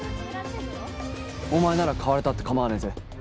お前なら買われたって構わねえぜ。